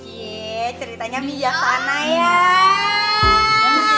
yee ceritanya biar mana yaaa